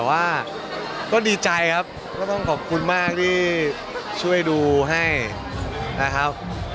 แต่ว่าก็ดีใจครับก็ต้องขอบคุณมากที่ช่วยดูให้นะครับ